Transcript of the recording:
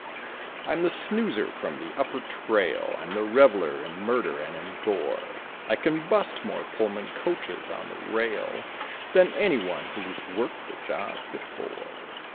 I'm the snoozer from the upper trail! I'm the reveler in murder and in gore! I can bust more Pullman coaches on the rail Than anyone who's worked the job before.